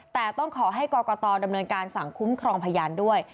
แต่ต้องขอให้กรกตดำเนินการสั่งคุ้มครองพยานด้วย